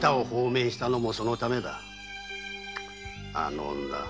あの女